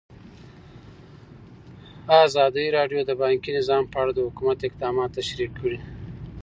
ازادي راډیو د بانکي نظام په اړه د حکومت اقدامات تشریح کړي.